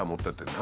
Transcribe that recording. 何？